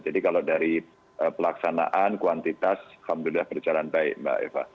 jadi kalau dari pelaksanaan kuantitas alhamdulillah perjalanan baik mbak eva